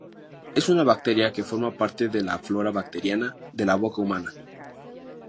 Es una bacteria que forma parte de la flora bacteriana de la boca humana.